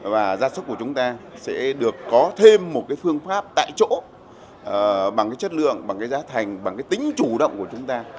và gia súc của chúng ta sẽ được có thêm một cái phương pháp tại chỗ bằng cái chất lượng bằng cái giá thành bằng cái tính chủ động của chúng ta